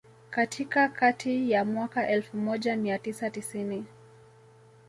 Katika kati ya mwaka Elfu moja mia tisa tisini